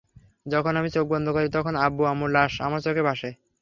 যখন আমি চোখ বন্ধ করি, তখন আব্বু-আম্মুর লাশ আমার চোখে ভাসে।